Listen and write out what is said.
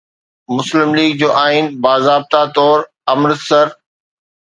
مسلم ليگ جو آئين باضابطه طور امرتسر